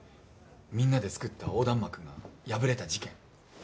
みんなで作った横断幕が破れた事件。